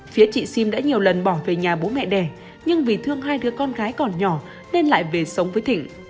phía chị sim đã nhiều lần bỏ về nhà bố mẹ đẻ nhưng vì thương hai đứa con gái còn nhỏ nên lại về sống với thịnh